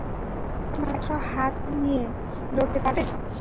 একটা মাত্র হাত নিয়ে লড়তে পারবে?